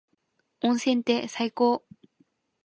温泉って最高。